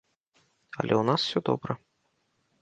Але ў нас усё добра.